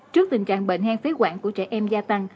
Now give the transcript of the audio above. trước tình trạng bệnh hen phế quản của trẻ em gia tăng